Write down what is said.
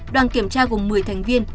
đoàn kiểm tra gồm một mươi thành viên